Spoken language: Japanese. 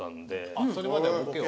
あっそれまではボケを？